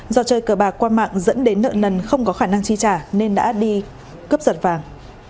do chơi cờ bạc qua mạng dẫn đến nợ nần không có khả năng chi trả nên đã đi cướp giật vàng